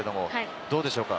どうでしょうか？